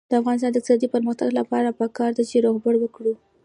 د افغانستان د اقتصادي پرمختګ لپاره پکار ده چې روغبړ وکړو.